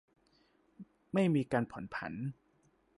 ไม่มีการผ่อนผัน